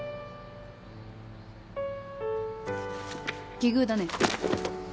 奇遇だね。